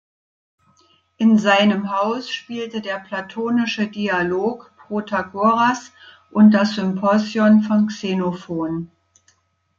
In seinem Haus spielte der platonische Dialog "Protagoras" und das "Symposion" von Xenophon.